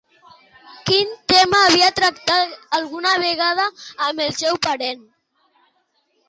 Quin tema havia tractat alguna vegada amb el seu parent?